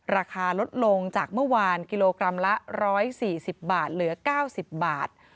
ราคาลดลงจากเมื่อวานกิโลกรัมละ๑๔๐บาทเหลือ๙๐บาท